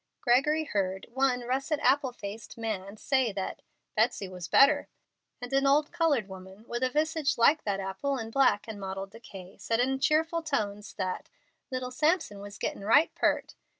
Gregory heard one russet apple faced man say that "Betsy was better," and an old colored woman, with a visage like that apple in black and mottled decay, said in cheerful tones that "little Sampson was gittin' right peart."